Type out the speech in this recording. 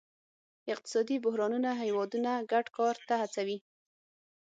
اقتصادي بحرانونه هیوادونه ګډ کار ته هڅوي